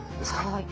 はい。